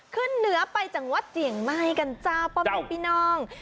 ขึ้นเหนือไปจังหวัดเจียงไหม้กันเจ้าป้ามงพี่น้อง